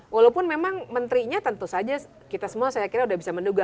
walaupun memang menterinya tentu saja kita semua saya kira sudah bisa menduga